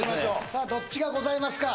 さあどっちがございますか？